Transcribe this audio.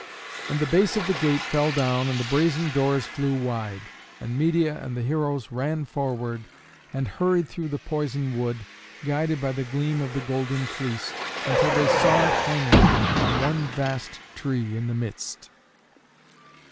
And the base of the gate fell down and the brazen doors flew wide, and Medeia and the heroes ran forward, and hurried through the poison wood, guided by the gleam of the Golden Fleece, until they saw it hanging on one vast tree in the midst.